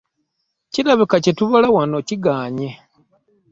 Kirabika kye tubala wano kigaanyi.